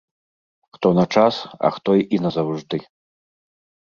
Хто на час, а хто і назаўжды.